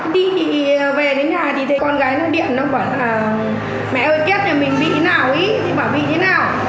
đi về đến nhà thì thấy con gái điện bảo mẹ ơi kết này mình bị thế nào ý bảo bị thế nào